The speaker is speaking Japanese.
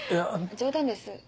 冗談です。